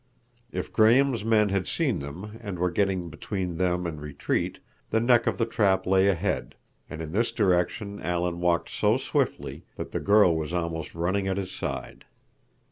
If Graham's men had seen them, and were getting between them and retreat, the neck of the trap lay ahead—and in this direction Alan walked so swiftly that the girl was almost running at his side.